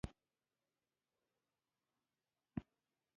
رېل کرښې خلک غیر ضروري سفرونو لپاره هڅوي.